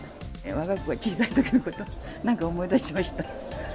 わが子が小さいときのことをなんか思い出しました。